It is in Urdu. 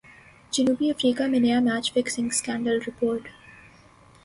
جنوبی افریقہ میں نیا میچ فکسنگ سکینڈل رپورٹ